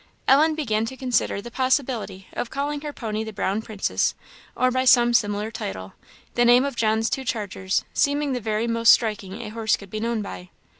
Ellen began to consider the possibility of calling her pony the Brown Princess, or by some similar title the name of John's two chargers seeming the very most striking a horse could be known by.